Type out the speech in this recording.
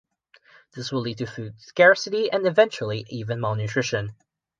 This will lead to food scarcity and eventually even malnutrition.